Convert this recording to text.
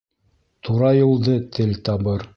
Тура юлды тел табыр.